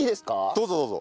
どうぞどうぞ。